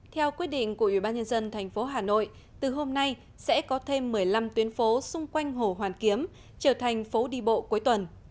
theo quy định của ubnd tp hà nội từ hôm nay sẽ có thêm một mươi năm tuyến phố xung quanh hồ hoàn kiếm trở thành phố đi bộ cuối tuần